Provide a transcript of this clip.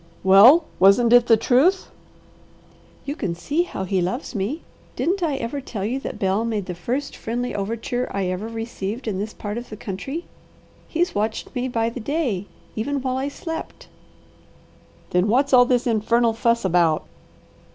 "Well wasn't it the truth?" "You can see how he loves me. Didn't I ever tell you that Bel made the first friendly overture I ever received in this part of the country? He's watched me by the day, even while I slept." "Then what's all this infernal fuss about?"